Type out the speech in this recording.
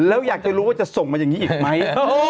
แล้วอยากจะรู้ว่าจะส่งมาอย่างนี้อีกไหม